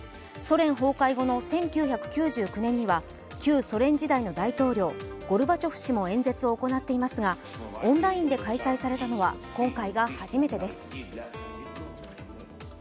ソ連崩壊後の１９９９年には旧ソ連時代の大統領ゴルバチョフ氏も演説を行っていますがオンラインで開催されたのは今回が初めてです。